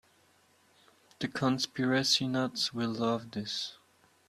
The conspiracy nuts will love this.